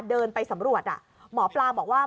เดินไปสำรวจหมอปลาบอกว่า